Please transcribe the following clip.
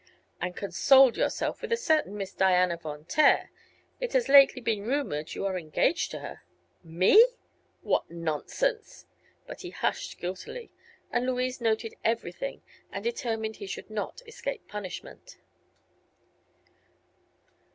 "And consoled yourself with a certain Miss Diana Von Taer. It has lately been rumored you are engaged to her." "Me? What nonsense?" But he hushed guiltily, and Louise noted everything and determined he should not escape punishment.